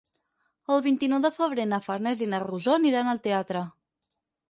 El vint-i-nou de febrer na Farners i na Rosó aniran al teatre.